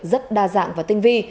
rất đa dạng và tinh vi